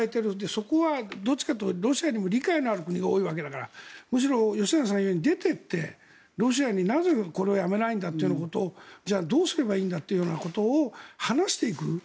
そこはどっちかというとロシアにも理解がある国が多いわけだからむしろ吉永さんが言うように出て行ってロシアになぜ、やめないんだということをじゃあ、どうすればいいんだというようなことを話していく。